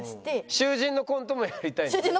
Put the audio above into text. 囚人のコントもやりたいの？